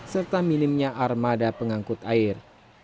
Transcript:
serta minimnya armada pengangkut air